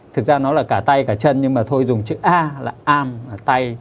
thực ra nó là cả tay cả chân nhưng mà thôi dùng chữ a là arm là tay